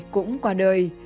cũng qua đời